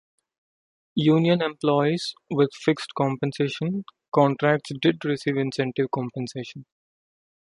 Union employees with fixed compensation contracts did receive incentive compensation.